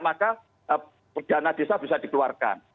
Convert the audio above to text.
maka dana desa bisa dikeluarkan